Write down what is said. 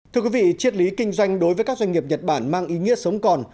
thưa quý vị chiết lý kinh doanh đối với các doanh nghiệp nhật bản mang ý nghĩa sống còn